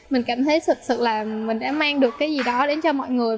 mình cảm thấy sự là mình đã mang được cái gì đó đến cho mọi người